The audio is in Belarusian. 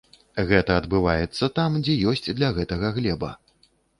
Гэта адбываецца там, дзе ёсць для гэтага глеба.